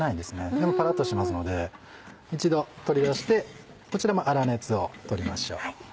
でもパラっとしますので一度取り出してこちらも粗熱をとりましょう。